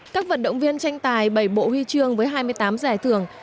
các vận động viên tranh tài bảy bộ huy chương với hai mươi tám giải thưởng